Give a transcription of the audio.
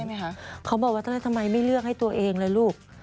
เขาบอกว่าทำไมไม่เลือกให้ตัวเองเลยลูก